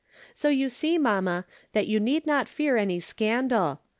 So you see, mamma, that you need not fear any scandal.